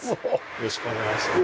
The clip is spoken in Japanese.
よろしくお願いします。